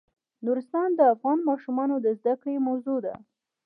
نورستان د افغان ماشومانو د زده کړې موضوع ده.